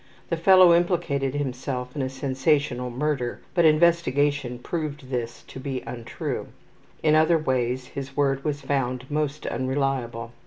The fellow implicated himself in a sensational murder, but investigation proved this to be untrue. In other ways his word was found most unreliable.